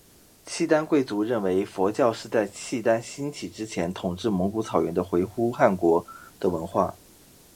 契丹贵族认为佛教是在契丹兴起之前统治蒙古草原的回鹘汗国的文化。